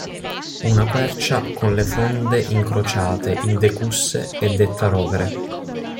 Una quercia con le fronde incrociate in decusse è detta rovere.